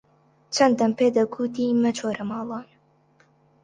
چەندەم پێ دەکوتی مەچۆرە ماڵان